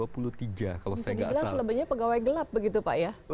bisa dibilang selebihnya pegawai gelap begitu pak ya